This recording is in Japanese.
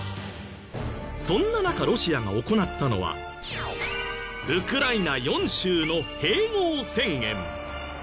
そんな中ロシアが行ったのはウクライナ４州の併合宣言。